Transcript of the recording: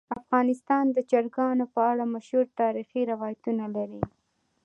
افغانستان د چرګانو په اړه مشهور تاریخی روایتونه لري.